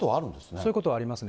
そういうことはありますね。